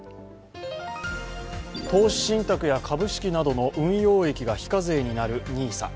投資信託や株式などの運用益が非課税になるＮＩＳＡ。